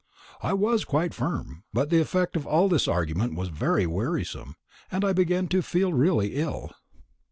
I was quite firm; but the effect of all this argument was very wearisome, and I began to feel really ill.